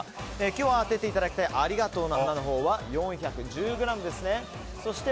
今日、当てていただきたいありがとうの花のほうは４１０ｇですね。